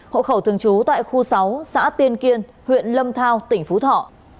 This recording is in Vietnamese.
hộ khẩu thường trú tại khu sáu xã tiên kiên huyện lâm thao tỉnh phú thọ